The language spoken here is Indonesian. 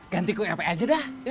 ganti ke kap aja dah